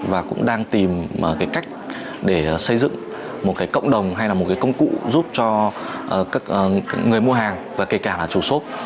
và cũng đang tìm cách để xây dựng một cái cộng đồng hay là một cái công cụ giúp cho người mua hàng và kể cả là chủ shop